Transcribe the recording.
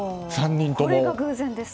これが偶然です。